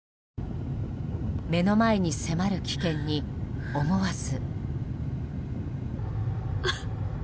目の前に迫る危険に思わず。